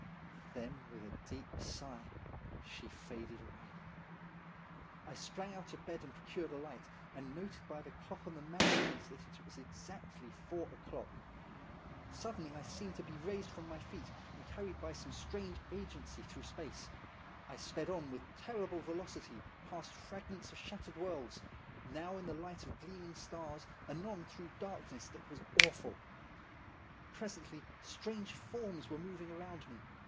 Then with a deep sigh she faded away. I sprang out of bed and procured a light, and noted by the clock on the mantel piece that it was exactly four o'clock. Suddenly I seemed to be raised from my feet, and carried by some strange agency through space. I sped on with terrible velocity, past frag ments of shattered worlds ; now in the light of gleaming stars, anon through darkness that was awful. Presently strange forms were moving around me.